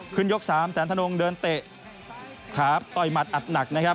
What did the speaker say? ขึ้นยก๓แสนทนงเดินเตะขาบต่อยมัดอัดหนัก